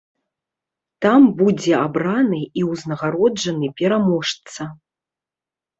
Там будзе абраны і ўзнагароджаны пераможца.